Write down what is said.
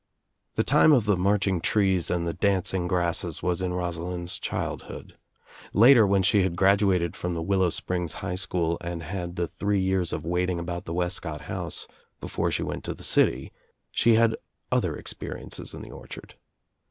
The time of the marching trees and the dancing grasses was in Rosalind's childhood. Later when she had graduated from the Willow Springs High School and had the three years of waiting about the Wescott house before she went to the city she had other ex periences in the orchard.